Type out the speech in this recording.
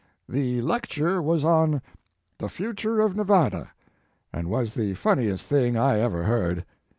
"The lecture was on The Future of Nevada, and was the funniest thing I ever heard.